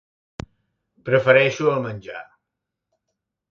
Prefereixo el menjar.